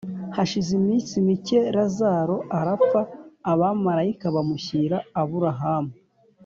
Hashize iminsi mike razalo arapfa abamarayika bamushyira Aburahamu